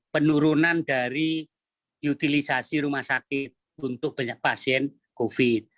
penurunan dari utilisasi rumah sakit untuk pasien covid sembilan belas